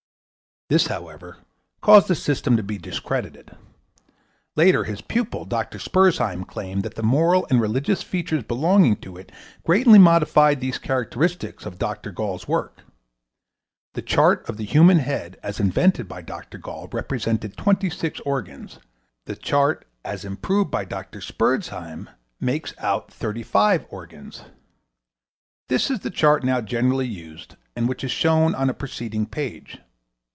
This, however, caused the system to be discredited. Later his pupil, Dr. Spurzheim, claimed that the moral and religious features belonging to it greatly modified these characteristics of Dr. Gall's work. The chart of the human head as invented by Dr. Gall represented 26 organs; the chart as improved by Dr. Spurzheim makes out 35 organs. This is the chart now generally used and which is shown on a preceding page.